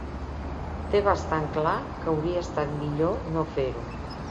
Té bastant clar que hauria estat millor no fer-ho.